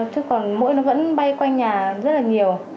chứ còn mũi nó vẫn bay quanh nhà rất là nhiều